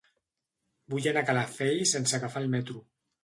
Vull anar a Calafell sense agafar el metro.